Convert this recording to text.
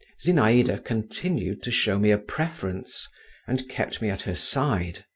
Zinaïda continued to show me a preference, and kept me at her side.